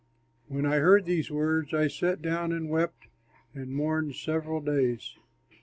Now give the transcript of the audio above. When I heard these words I sat down and wept and mourned several days.